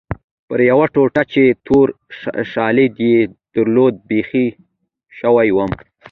پر یوې ټوټه چې تور شالید یې درلود بخۍ شوې وې.